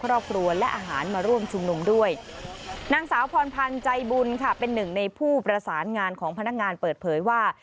ครอบครัวและอาหารมาร่วมชุมนุมด้วยนางสาวพรพันธ์ใจบุญค่ะเป็นหนึ่งในผู้ประสานงานของพนักงานเปิดเผยว่า